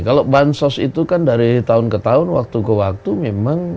kalau bansos itu kan dari tahun ke tahun waktu ke waktu memang